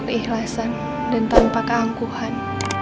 keikhlasan dan tanpa keangkuhan